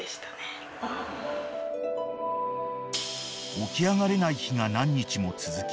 ［起き上がれない日が何日も続き］